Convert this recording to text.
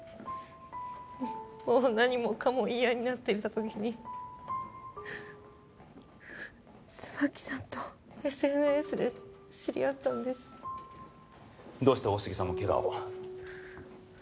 もう何もかも嫌になっていた時に椿さんとＳＮＳで知り合ったんですどうして大杉さんもけがを？